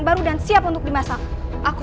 dadah aku sakit sekali